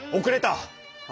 遅れた。